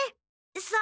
そう。